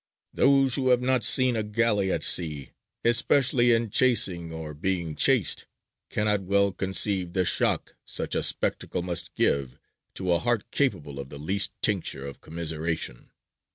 " "Those who have not seen a galley at sea, especially in chasing or being chased, cannot well conceive the shock such a spectacle must give to a heart capable of the least tincture of commiseration.